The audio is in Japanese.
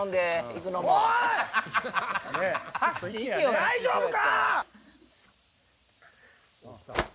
大丈夫か？